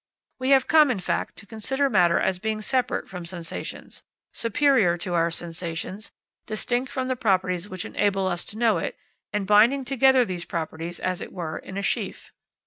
We have come, in fact, to consider matter as a being separate from sensations, superior to our sensations, distinct from the properties which enable us to know it, and binding together these properties, as it were, in a sheaf.